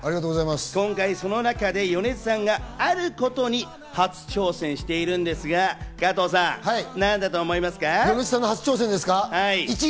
今回、その中で米津さんがあることに初挑戦しているんですが、加藤さん、何だと思いますか？